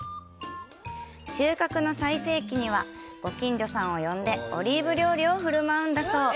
収穫の最盛期には、ご近所さんを呼んでオリーブ料理をふるまうんだそう。